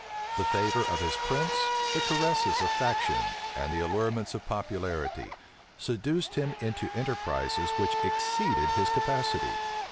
The favor of his prince, the caresses of faction, and the allurements of popularity, seduced him into enterprises which exceeded his capacity.